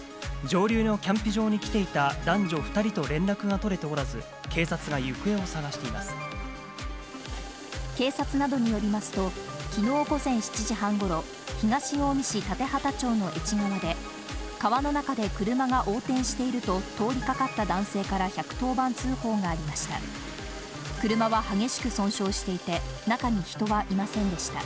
上流のキャンプ場に来ていた男女２人と連絡が取れておらず、警察などによりますと、きのう午前７時半ごろ、東近江市蓼畑町の愛知川で、川の中で車が横転していると、通りかかった男性から１１０番通報がありました。